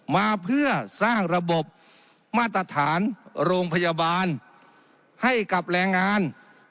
มาเพื่อสร้างระบบมาตรฐานโรงพยาบาลให้กับแรงงาน